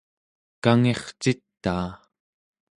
kangircitaa